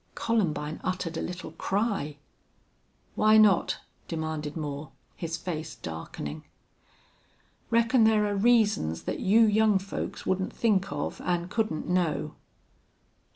Columbine uttered a little cry. "Why not?" demanded Moore, his face darkening. "Reckon there are reasons that you young folks wouldn't think of, an' couldn't know."